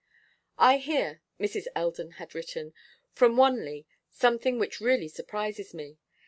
'I hear,' Mrs. Eldon had written, 'from Wanley something which really surprises me.